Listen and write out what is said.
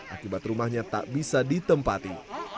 akibat rumahnya tak bisa ditempati